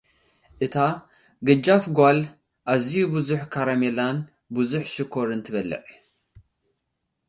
እታ ገጃፍ ጓል፡ ኣዝዩ ብዙሕ ካራሜለን ብዙሕ ሽኮርን ትበልዕ።